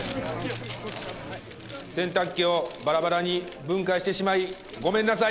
洗濯機をバラバラに分解してしまいごめんなさい。